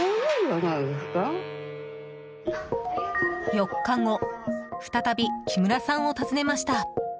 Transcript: ４日後再び木村さんを訪ねました。